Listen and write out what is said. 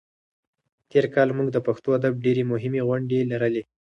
تېر کال موږ د پښتو ادب ډېرې مهمې غونډې لرلې.